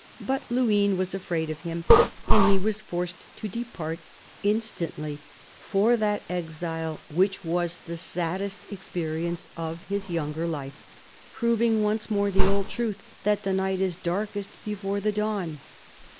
But Luynes was afraid of him; and he was forced to depart instantly for that exile which was the saddest experience of his younger life — proving once more the old truth that the night is darkest before the dawn.